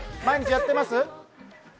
毎日やってます？